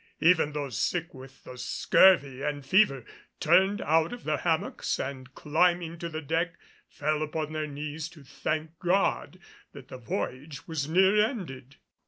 Even those sick with the scurvy and fever turned out of their hammocks and, climbing to the deck, fell upon their knees to thank God that the voyage was near ended.